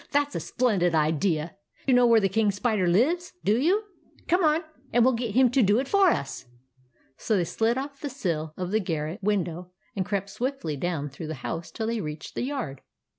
" That 's a splendid idea ! You know where the King Spider lives, don't you ? Come on, and we '11 get him to do it for us !" So they slid off the sill of the garret window, and crept swiftly down through the house till they reached the yard.